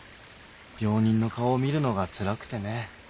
病人の顔を見るのがつらくてね。